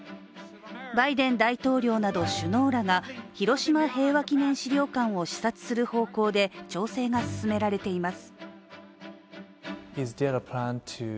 バイデン大統領など首脳らが広島平和記念資料館を視察する方向で調整が進められています。